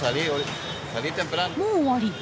もう終わり？